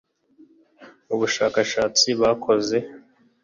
Mu bushakashatsi bakoze